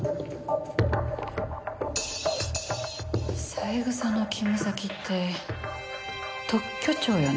三枝の勤務先って特許庁よね？